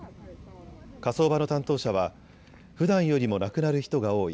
火葬場の担当者はふだんよりも亡くなる人が多い。